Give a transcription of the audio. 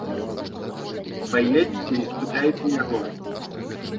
Паедзьце і спытайце яго!